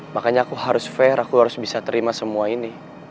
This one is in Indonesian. makanya aku harus fair aku harus bisa terima semua ini